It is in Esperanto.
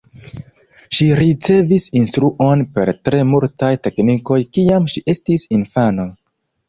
Ŝi ricevis instruon per tre multaj teknikoj kiam ŝi estis infano.